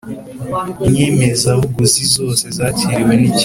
inyemezabuguzi zose zakiriwe n ikigo